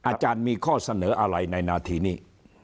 อาจารย์มีข้อเสนออะไรในนาทีนี้